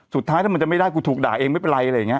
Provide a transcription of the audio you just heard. สุดท้ายถ้ามันจะไม่ได้ก็ถูกด่าเองไม่เป็นไร